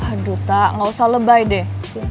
haduh tak ga usah lebay deh